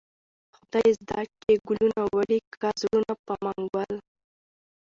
خداى زده چې گلونه وړې كه زړونه په منگل